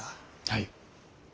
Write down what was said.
はい。